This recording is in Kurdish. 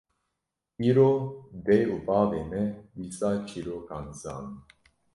Îro dê û bavê me dîsa çîrokan dizanin